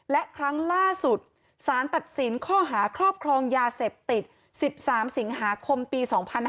และครั้งล่าสุดสารตัดสินข้อหาครอบครองยาเสพติด๑๓สิงหาคมปี๒๕๕๙